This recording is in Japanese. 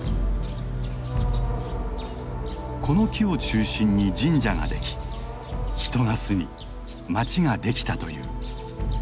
この木を中心に神社ができ人が住み町ができたという。